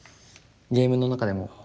ゲームの中でも。